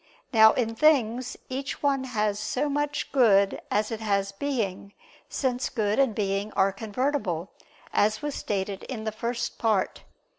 Now in things, each one has so much good as it has being: since good and being are convertible, as was stated in the First Part (Q.